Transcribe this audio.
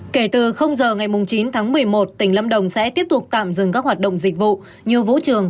kể từ giờ ngày chín tháng một mươi một tỉnh lâm đồng sẽ tiếp tục tạm dừng các hoạt động dịch vụ như vũ trường